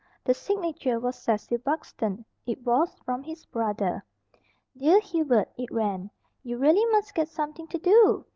The signature was "Cecil Buxton" it was from his brother. "Dear Hubert," it ran, "you really must get something to do!